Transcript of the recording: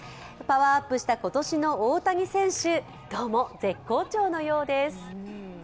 パワーアップした今年の大谷選手、どうも絶好調のようです。